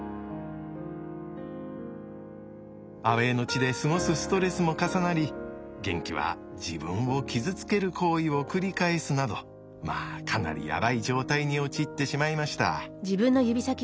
アウェーの地で過ごすストレスも重なりゲンキは自分を傷つける行為を繰り返すなどまあかなりやばい状態に陥ってしまいました。